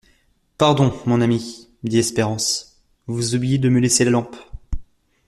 Pardon, mon ami, dit Espérance, vous oubliez de me laisser la lampe.